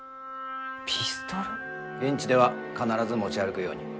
現地では必ず持ち歩くように。